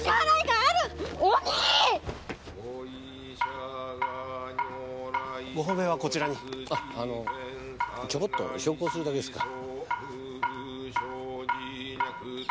ああのちょこっとお焼香するだけですから。